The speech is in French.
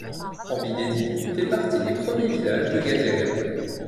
Ambidédi fait partie des premiers villages de Gadiaga.